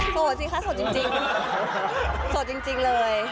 โสดสิคะสดจริงโสดจริงเลย